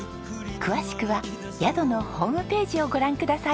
詳しくは宿のホームページをご覧ください。